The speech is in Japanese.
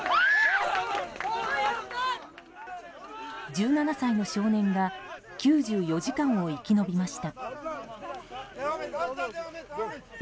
１７歳の少年が９４時間を生き延びました。